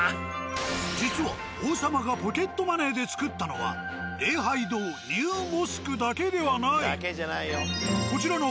実は王様がポケットマネーで作ったのは礼拝堂ニューモスクだけではない。